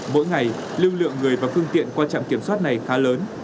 mỗi ngày lưu lượng người và phương tiện qua trạm kiểm soát này khá lớn